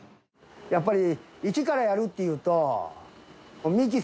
やっぱり。